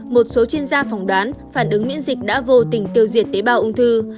một số chuyên gia phỏng đoán phản ứng miễn dịch đã vô tình tiêu diệt tế bào ung thư